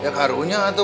ya karunya tuh